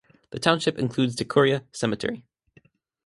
The township includes Decoria Cemetery.